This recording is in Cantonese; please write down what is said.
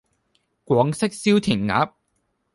廣式燒填鴨